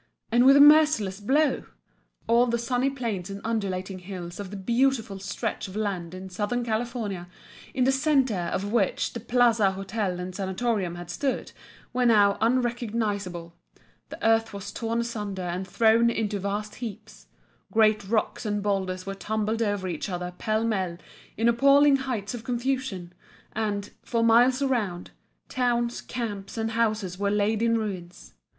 and with a merciless blow! All the sunny plains and undulating hills of the beautiful stretch of land in Southern California, in the centre of which the "Plaza" hotel and sanatorium had stood, were now unrecognisable, the earth was torn asunder and thrown into vast heaps great rocks and boulders were tumbled over each other pell mell in appalling heights of confusion, and, for miles around, towns, camps and houses were laid in ruins.